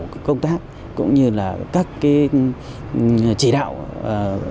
các tổ công tác cũng như là các chỉ đạo công tác cũng như là các chỉ đạo công tác